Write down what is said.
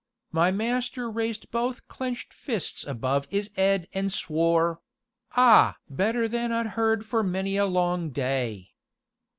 My master raised both clenched fists above 'is 'ead an' swore ah! better than I'd heard for many a long day.